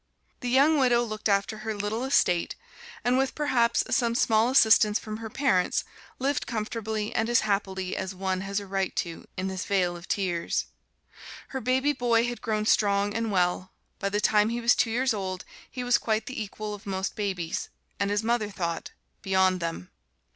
The young widow looked after her little estate, and with perhaps some small assistance from her parents, lived comfortably and as happily as one has a right to in this vale of tears. Her baby boy had grown strong and well: by the time he was two years old he was quite the equal of most babies and his mother thought, beyond them.